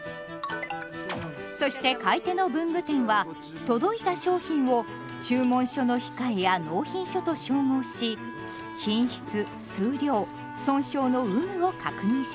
そして買い手の文具店は届いた商品を注文書の控えや納品書と照合し品質数量損傷の有無を確認します。